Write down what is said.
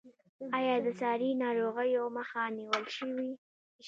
آیا د ساري ناروغیو مخه نیول شوې؟